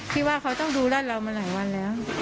ที่ว่าเขาต้องดูรัดเรามาหลายวันแล้ว